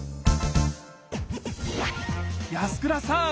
安倉さん！